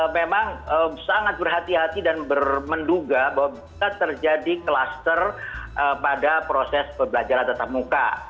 memang sangat berhati hati dan bermenduga bahwa bisa terjadi kluster pada proses pembelajaran tetap muka